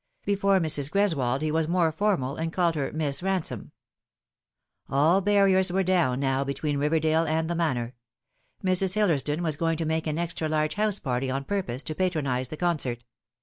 Before Mrs. Greswold he was more formal, and called her Miss Ransome. All barriers were down now between Eiverdale and the Manor. Mrs. Hillersdon was going to make an extra large house party on purpose to patronise the concert.